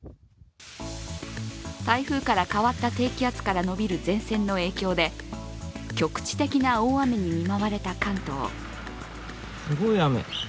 台風から変わった低気圧から延びる前線の影響で局地的な大雨に見舞われた関東。